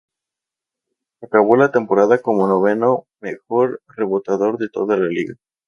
Acabó la temporada como noveno mejor reboteador de toda la liga.